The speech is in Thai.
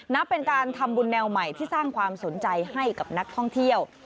นับเป็นการทำบุญแนวใหม่ที่สร้างความสนใจให้กับนักท่องเที่ยว